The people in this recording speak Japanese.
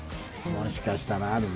もしかしたらあるな。